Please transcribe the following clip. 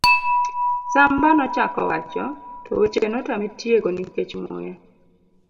ba.. Samba nochako wacho, to weche notame tieko nikech muya